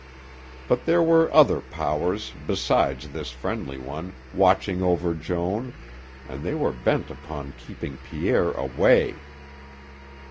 But there were other powers, besides this friendly one, watching over Joan, and they were bent upon keeping Pierre away.